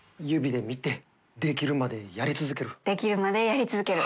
出来るまでやり続ける。